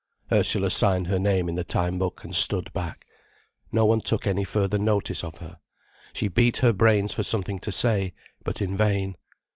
Ursula signed her name in the time book and stood back. No one took any further notice of her. She beat her brains for something to say, but in vain.